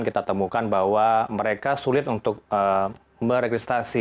kita temukan bahwa mereka sulit untuk merekristasi